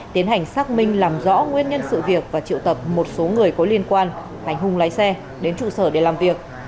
tiến hành xác minh làm rõ nguyên nhân sự việc và triệu tập một số người có liên quan hành hung lái xe đến trụ sở để làm việc